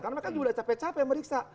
karena mereka juga udah capek capek meriksa